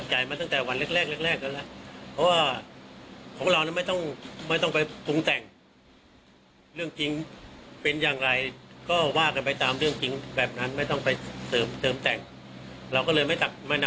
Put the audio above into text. เหลวโดยสันดารการศึกษามันเข้าไม่ได้